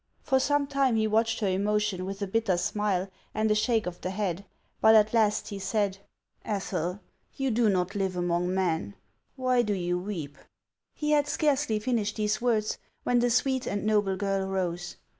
For some time he watched her emotion with a bitter smile and a shake of the head; but at last he said: "Ethel, you do not live among men ; why do you weep ?" He had scarcely finished these words, when the sweet and noble girl rose.